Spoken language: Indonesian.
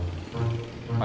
itu lima puluh rupiah kang